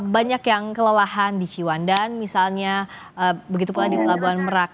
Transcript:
banyak yang kelelahan di ciwandan misalnya begitu pula di pelabuhan merak